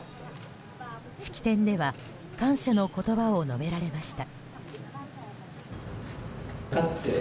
式典では感謝の言葉を述べられました。